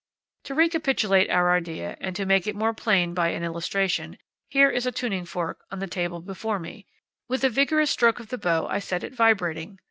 To recapitulate our idea, and, to make it more plain by an illustration, here is a tuning fork on the table before me. With a vigorous stroke of the bow I set it vibrating.